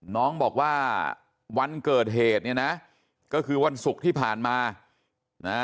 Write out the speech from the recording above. น้องบอกว่าวันเกิดเหตุเนี่ยนะก็คือวันศุกร์ที่ผ่านมานะ